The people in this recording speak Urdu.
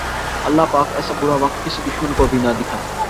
اللہ پاک ایسا برا وقت کسی دشمن کو بھی نہ دکھائے